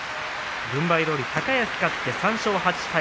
軍配どおり高安勝って３勝８敗。